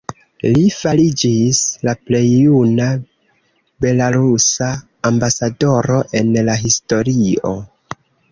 Li fariĝis la plej juna belarusa Ambasadoro en la historio.